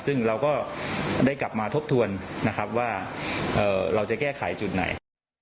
ซึ่งเราก็ได้กลับมาทบทวนนะครับว่าเราจะแก้ไขจุดไหน